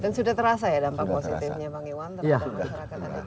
dan sudah terasa ya dampak positifnya panggilan terhadap masyarakat di sini